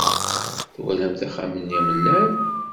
Twalamt axxam-nni amellal?